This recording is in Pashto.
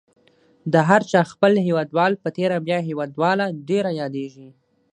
د هر چا خپل هیوادوال په تېره بیا هیوادواله ډېره یادیږي.